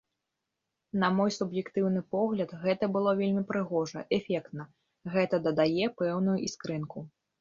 На мой суб'ектыўны погляд, гэта было вельмі прыгожа, эфектна, гэта дадае пэўную іскрынку.